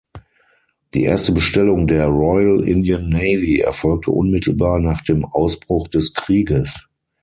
Die erste Bestellung der Royal Indian Navy erfolgte unmittelbar nach dem Ausbruch des Krieges.